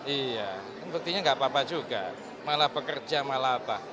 iya berarti tidak apa apa juga malah pekerja malah apa